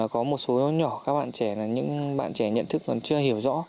có một số nhỏ các bạn trẻ là những bạn trẻ nhận thức còn chưa hiểu rõ